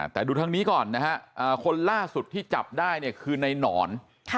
แต่ดูทางนี้ก่อนนะฮะคนล่าสุดที่จับได้เนี่ยคือในหนอน